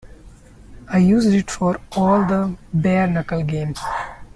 I used it for all the "Bare Knuckle" Games.